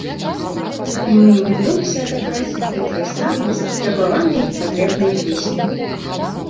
І мы імкнуліся адабраць гэтыя самыя запатрабаваныя і патрэбныя песні.